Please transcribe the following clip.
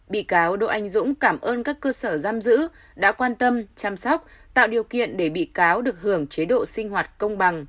bị cáo đỗ anh dũng cảm ơn các cơ sở giam giữ đã quan tâm chăm sóc tạo điều kiện để bị cáo được hưởng chế độ sinh hoạt công bằng